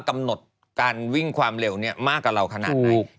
การวิ่งความเร็วเนี่ยมากกว่าเราขนาดไหน